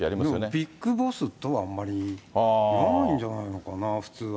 ビッグボスとはあんまり言わないんじゃないのかな、普通は。